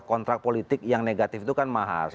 kontrak politik yang negatif itu kan mahal